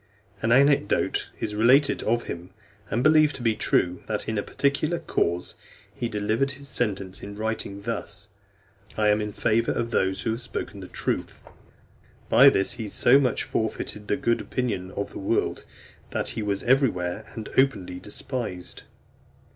An anecdote is related of him, and believed to be true, that, in a particular cause, he delivered his sentence in writing thus: "I am in favour of those who have spoken the truth." By this he so much forfeited the good opinion of the world, that he was everywhere and openly despised.